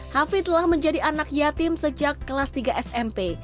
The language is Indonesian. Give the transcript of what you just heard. hafid telah menjadi anak yatim sejak kelas tiga smp